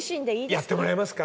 やってもらえますか？